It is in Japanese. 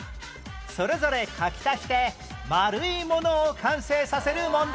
それぞれ書き足して丸いものを完成させる問題